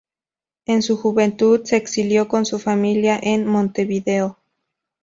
En su juventud se exilió con su familia en Montevideo.